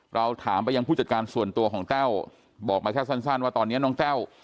เราถามไปยังผู้จัดการส่วนตัวของแต้วบอกมาแค่สั้นว่าตอนนี้น้องแต้ว